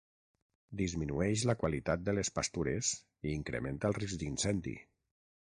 Disminueix la qualitat de les pastures i incrementa el risc d'incendi.